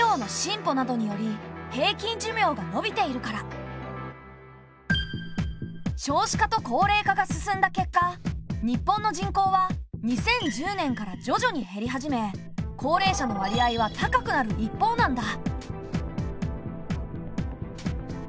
高齢化が進んだのは少子化と高齢化が進んだ結果日本の人口は２０１０年からじょじょに減り始め高齢者の割合は高くなる一方なんだ。